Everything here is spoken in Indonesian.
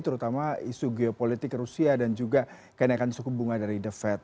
terutama isu geopolitik rusia dan juga kenaikan suku bunga dari the fed